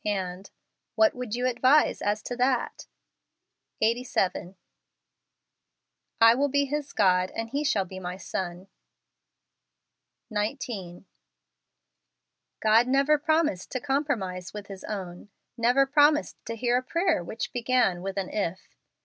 v and, " What would you advise as to that ?" Eighty Seven. " 1 will be his God , and he shall be my son." 19. God never promised to compromise with his own, never promised to hear a prayer which began with an " If."